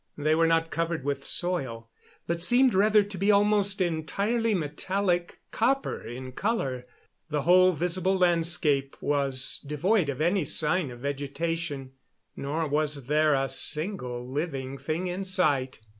They were not covered with soil, but seemed rather to be almost entirely metallic, copper in color. The whole visible landscape was devoid of any sign of vegetation, nor was there a single living thing in sight.